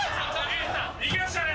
いけましたね！